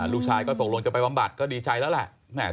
ลูกชายก็ตกลงจะไปบำบัดก็ดีใจแล้วแหละ